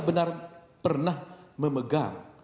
benar pernah memegang